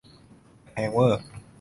แต่แพงเว่อร์